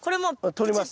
取ります。